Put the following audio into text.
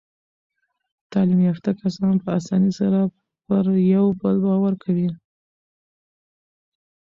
تعلیم یافته کسان په اسانۍ سره پر یو بل باور کوي.